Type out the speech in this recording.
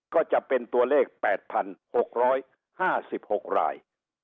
ก็จะเป็นตัวเลข๘๖๕๖ราย